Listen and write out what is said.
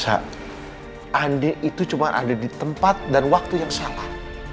andai itu cuma ada di tempat dan waktu yang salah